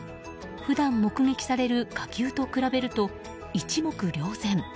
普段、目撃される火球と比べると一目瞭然。